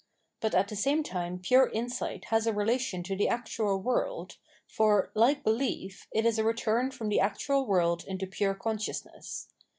But at the same time pure insight has a relation to the actual world, for, like belief, it is a return from the actual world into pure consciousness.